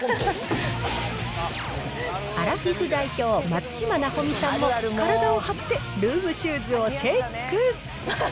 アラフィフ代表、松嶋尚美さんも体を張って、ルームシューズをチェック。